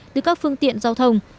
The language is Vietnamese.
từ các phương tiện giao thông